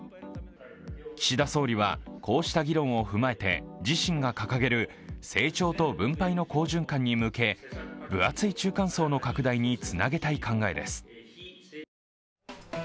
岸田総理はこうした議論を踏まえて、自身が掲げる成長と分配の好循環に向け、分厚い中間層の拡大につなげたい考えです。